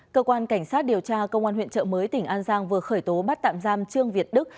cơ quan cảnh sát điều tra công an huyện trợ mới tỉnh an giang vừa khởi tố bắt tạm giam trương việt đức